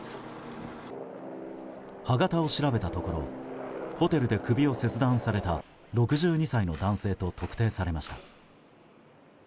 歯型を調べたところホテルで首を切断された６２歳の男性と特定されました。